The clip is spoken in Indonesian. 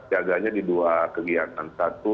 siaganya di dua kegiatan satu